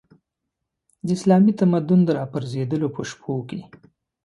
د اسلامي تمدن د راپرځېدلو په شپو کې.